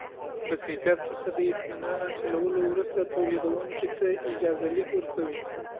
د کیفیت څخه د اطمینان حاصلولو وروسته تولیدوونکي ته اجازه لیک ورکوي.